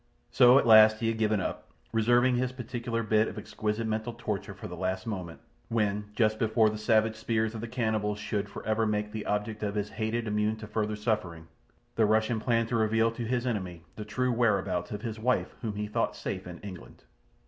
So at last he had given up, reserving his particular bit of exquisite mental torture for the last moment, when, just before the savage spears of the cannibals should for ever make the object of his hatred immune to further suffering, the Russian planned to reveal to his enemy the true whereabouts of his wife whom he thought safe in England.